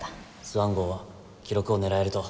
スワン号は記録を狙えると。